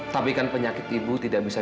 tapi kan penyakit ibu tidak bisa